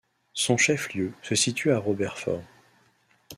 Son chef-lieu se situe à Robertsfors.